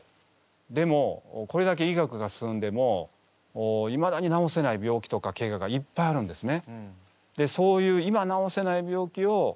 でもこれだけ医学が進んでもいまだに治せない病気とかけががいっぱいあるんですね。